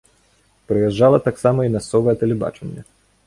Прыязджала таксама і мясцовае тэлебачанне.